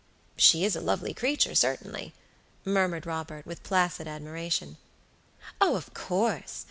"She is a lovely creature, certainly," murmured Robert, with placid admiration. "Oh, of course!